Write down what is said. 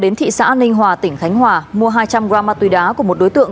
mua hai trăm linh gram ma túy đá của một đối tượng